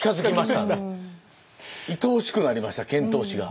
いとおしくなりました遣唐使が。